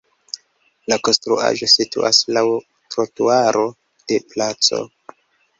La konstruaĵo situas laŭ trotuaro de placo.